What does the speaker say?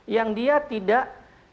yang dia tidak